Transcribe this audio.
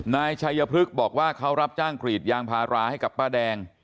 นายชัยพฤกษ์บอกว่าเขารับจ้างกรีดยางพาราให้กับป้าแดง